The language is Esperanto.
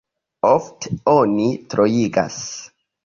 Ofte oni troigas.